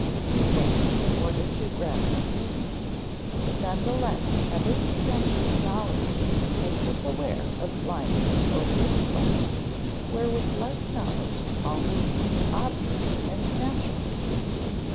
We think in order to grasp meaning, but none the less every extension of knowledge makes us aware of blind and opaque spots, where with less knowledge all had seemed obvious and natural.